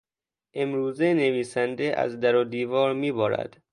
امروزه نویسنده از در و دیوار میبارد.